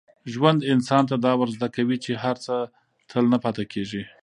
ژوند انسان ته دا ور زده کوي چي هر څه تل نه پاتې کېږي.